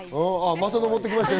また上ってきましたよ。